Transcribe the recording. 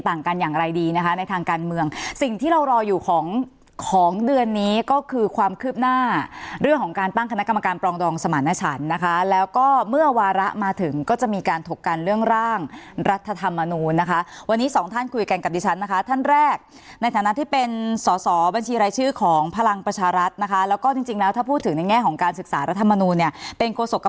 ต่างกันอย่างไรดีนะคะในทางการเมืองสิ่งที่เรารออยู่ของของเดือนนี้ก็คือความคืบหน้าเรื่องของการตั้งคณะกรรมการปรองดองสมารณชันนะคะแล้วก็เมื่อวาระมาถึงก็จะมีการถกกันเรื่องร่างรัฐธรรมนูลนะคะวันนี้สองท่านคุยกันกับดิฉันนะคะท่านแรกในฐานะที่เป็นสอสอบัญชีรายชื่อของพลังประชารัฐนะคะแล้วก็จริงจริงแล้วถ้าพูดถึงในแง่ของการศึกษารัฐมนูลเนี่ยเป็นโศก